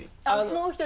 もう１人？